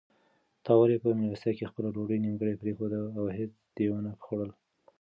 تا ولې په مېلمستیا کې خپله ډوډۍ نیمګړې پرېښوده او هیڅ دې ونه خوړل؟